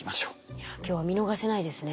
いや今日は見逃せないですね。